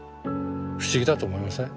不思議だと思いません？